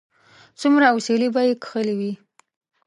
څومره اسويلي به یې کښلي وي